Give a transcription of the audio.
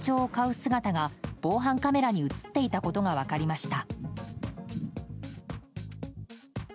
姿が防犯カメラに映っていたことが分かりました。